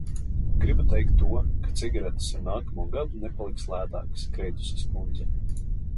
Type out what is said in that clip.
Gribu teikt to, ka cigaretes ar nākamo gadu nepaliks lētākas, Kreituses kundze.